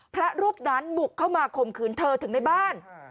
พระรูปนั้นบุกเข้ามาข่มขืนเธอถึงในบ้าน